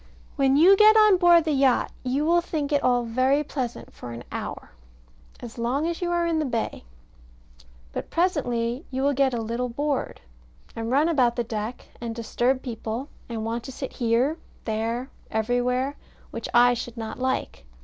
When you get on board the yacht, you will think it all very pleasant for an hour, as long as you are in the bay. But presently you will get a little bored, and run about the deck, and disturb people, and want to sit here, there, and everywhere, which I should not like.